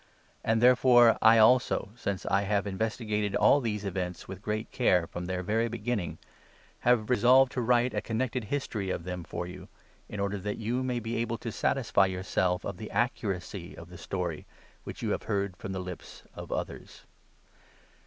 A nd, therefore, I also, since I have investigated all these events with great care from their very beginning, have resolved to write a connected history of them for you, in order that vou may be able to satisfy yourself of the accuracy of the story which you have heard from the lips of others.